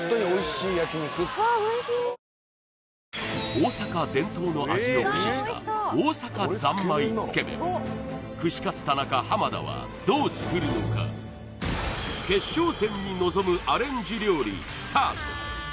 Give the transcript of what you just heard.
大阪伝統の味を駆使した大阪ざんまいつけ麺串カツ田中田はどう作るのか決勝戦に臨むアレンジ料理スタート